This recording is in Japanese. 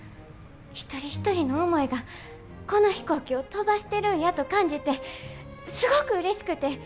一人一人の思いがこの飛行機を飛ばしてるんやと感じてすごくうれしくて。